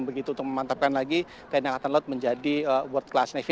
begitu untuk memantapkan lagi tni angkatan laut menjadi world class navy